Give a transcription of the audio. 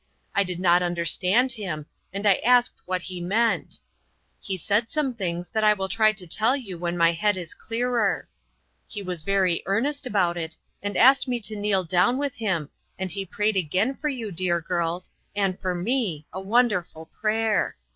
I did not understand him, and I asked what he meant He said some things that I will try to tell you when my head 26 INTERRUPTED. is clearer. He was very earnest about it, and asked me to kneel down with him, and he prayed again for yon, dear girls, and for me, a wonderful prayer.